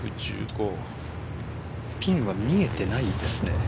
ピンは見えてないようですね。